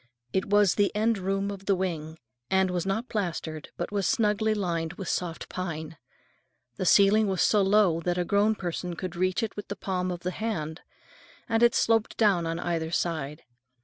It was the end room of the wing, and was not plastered, but was snugly lined with soft pine. The ceiling was so low that a grown person could reach it with the palm of the hand, and it sloped down on either side.